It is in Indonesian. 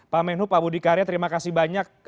pak menhu pak budi karya terima kasih banyak